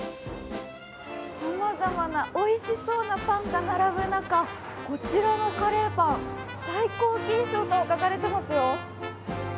さまざまおいしそうなパンが並ぶ中、こちらのカレーパン、「最高金賞」と書かれていますよ。